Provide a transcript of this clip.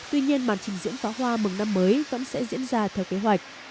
tuy nhiên màn trình diễn pháo hoa mừng năm mới vẫn sẽ diễn ra theo kế hoạch